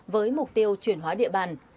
với mục tiêu chuyển hóa địa bàn